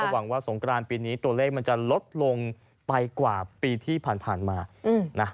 หวังว่าสงกรานปีนี้ตัวเลขมันจะลดลงไปกว่าปีที่ผ่านมานะ